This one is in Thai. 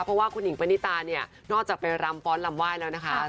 เพราะว่าคุณหญิงปณิตาเนี่ยนอกจากไปรำฟ้อนลำไหว้แล้วนะคะ